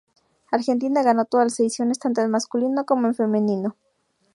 Argentina ganó todas las ediciones tanto en masculino como en femenino.